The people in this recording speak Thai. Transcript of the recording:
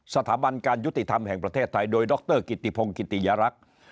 สถาบันการยุติธรรมแห่งประเทศไทยโดยดรกิติพงศ์กิติยรักษ์